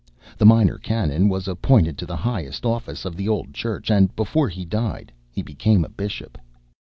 The Minor Canon was appointed to the highest office of the old church, and before he died, he became a bishop.